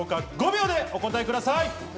５秒でお答えください。